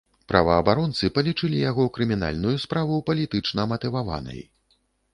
Праваабаронцы палічылі яго крымінальную справу палітычна матываванай.